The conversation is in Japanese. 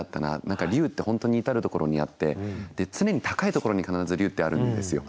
何か龍って本当に至るところにあって常に高いところに必ず龍ってあるんですよ。